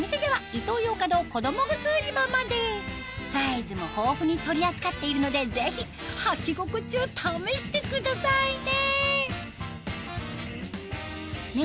お店ではサイズも豊富に取り扱っているのでぜひ履き心地を試してくださいね